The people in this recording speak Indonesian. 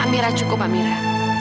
amira cukup amira